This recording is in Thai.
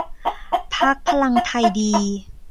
พรรคพลังไทยดี